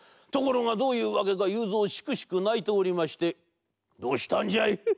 ところがどういうわけかゆうぞうしくしくないておりまして「どうしたんじゃい？」。